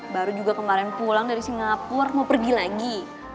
baru juga kemarin pulang dari singapura mau pergi lagi